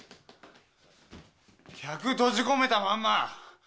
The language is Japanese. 客閉じ込めたまんま。